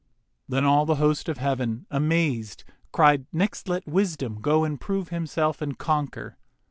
Then all the host of heav'n, amazed, Cried, 'Next let Wisdom go and prove Himself and conquer.